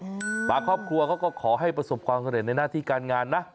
บางครอบครัวเขาก็ขอให้ประสบความสำเร็จในหน้าที่การงานนะ